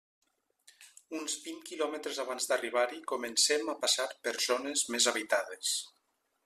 Uns vint quilòmetres abans d'arribar-hi comencem a passar per zones més habitades.